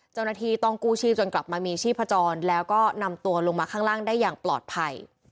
เจ้าหน้าที่ต้องกู้ชีพจนกลับมามีชีพจรแล้วก็นำตัวลงมาข้างล่างได้อย่างปลอดภัย